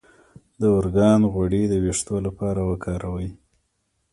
د ارګان غوړي د ویښتو لپاره وکاروئ